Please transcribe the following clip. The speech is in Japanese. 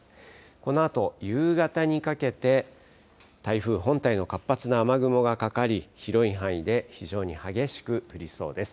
このあと夕方にかけて、台風本体の活発な雨雲がかかり、広い範囲で非常に激しく降りそうです。